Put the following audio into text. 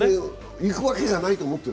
行くわけがないと思ってる？